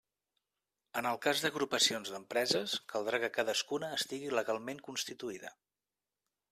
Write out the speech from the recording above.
En el cas d'agrupacions d'empreses, caldrà que cadascuna estigui legalment constituïda.